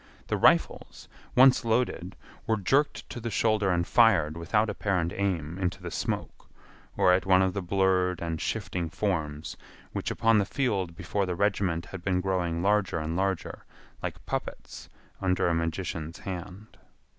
The rifles, once loaded, were jerked to the shoulder and fired without apparent aim into the smoke or at one of the blurred and shifting forms which upon the field before the regiment had been growing larger and larger like puppets under a magician's hand.